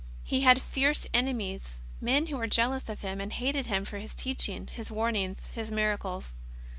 He had fierce enemies, men who were jealous of Him and hated Him for His teaching, His warnings, His mira' cles.